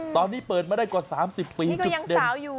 ตอนนี้เปิดมาได้กว่า๓๐ปีจุดเด็ดนี่ก็ยังสาวอยู่